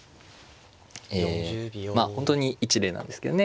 まあ本当に一例なんですけどね。